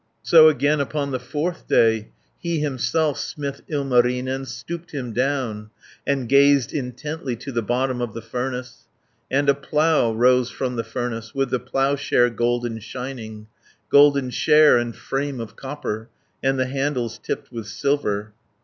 So again upon the fourth day, He himself, smith Ilmarinen Stooped him down, and gazed intently To the bottom of the furnace, And a plough rose from the furnace, With the ploughshare golden shining, 380 Golden share, and frame of copper, And the handles tipped with silver.